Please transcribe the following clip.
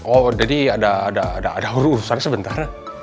oh jadi ada urusan sebentar